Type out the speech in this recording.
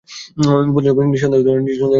উপাদানসমূহও নিঃসন্দেহে গ্লাসের মধ্যেই আছে।